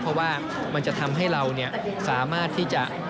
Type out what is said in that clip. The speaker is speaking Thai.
เพราะว่ามันจะทำให้เราสามารถที่จะ